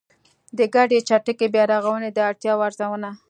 د ګډې چټکې بيا رغونې د اړتیاوو ارزونه